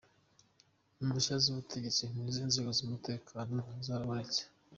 Impushya z’ubutegetsi n’izo inzego z’umutekano zarabonetse.